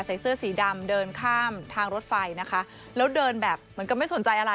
ใส่เสื้อสีดำเดินข้ามทางรถไฟนะคะแล้วเดินแบบเหมือนกับไม่สนใจอะไร